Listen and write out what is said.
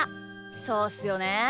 そうっすよね。